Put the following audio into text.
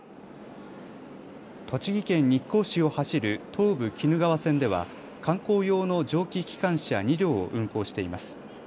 栃木県日光市を走る東武鬼怒川温泉では観光用の蒸気機関車２両を運行しています。